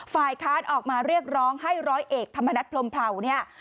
ฝ่ายค้านออกมาเรียกร้องให้ร้อยเอกธรรมนัฐพรมเผาเนี่ย